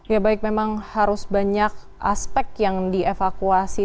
ya baik memang harus banyak aspek yang dievakuasi